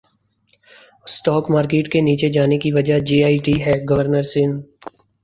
stock market کے نیچے جانے کی وجہ جے ائی ٹی ہے گورنر سندھ